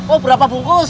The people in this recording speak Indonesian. oh berapa bungkus